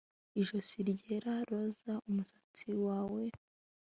ijosi ryera, roza, umusatsi wawe